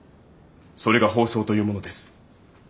それが放送というものです。